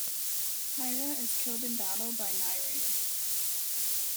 Hiera is killed in battle by Nireus.